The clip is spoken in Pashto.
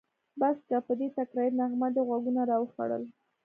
بس که! په دې تکراري نغمه دې غوږونه راوخوړل.